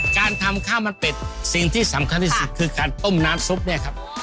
การทำข้าวมันเป็ดสิ่งที่สำคัญที่สุดคือการต้มน้ำซุปเนี่ยครับ